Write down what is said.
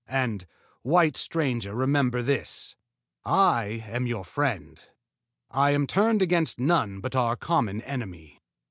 And, white stranger, remember this: I am your friend. I am turned against none but our common enemy."